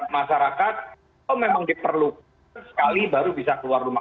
masyarakat oh memang diperlukan sekali baru bisa keluar rumah